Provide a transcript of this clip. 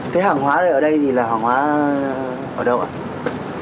thế hàng hóa ở đây thì là hàng hóa ở đâu ạ